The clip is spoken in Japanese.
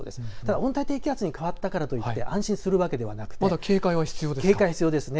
温帯低気圧に変わったからといって安心するわけではなくて警戒が必要です。